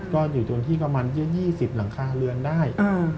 ก็อยู่ตรงที่ประมาณ๒๐หลังคาเรือนได้